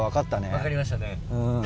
分かりましたね。